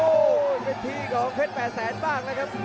โอ้โหเป็นทีของเพชร๘แสนบ้างนะครับ